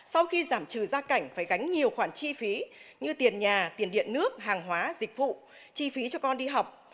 sau khi giảm trừ gia cảnh phải gánh nhiều khoản chi phí như tiền nhà tiền điện nước hàng hóa dịch vụ chi phí cho con đi học